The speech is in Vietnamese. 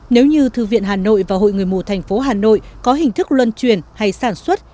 nếu như thư viện hà nội và hội người mù thành phố hà nội có hình thức luân truyền hay sản xuất